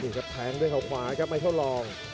นี่ครับแพงด้วยเข้าขวาครับมันเข้าลอง